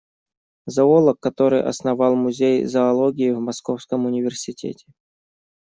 Зоолог, который основал музей зоологии в Московском университете.